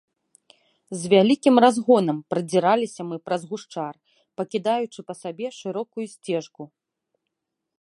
З вялікім разгонам прадзіраліся мы праз гушчар, пакідаючы па сабе шырокую сцежку.